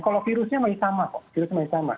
kalau virusnya maunya sama kok